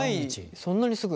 そんなにすぐ。